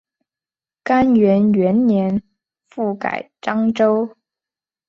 干元元年复改漳州。